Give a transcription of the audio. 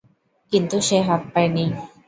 কিন্তু সে হাত পায়নি।